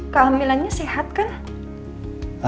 kehamilannya sehat kan